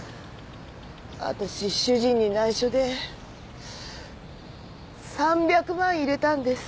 わたし主人に内緒で３００万入れたんです。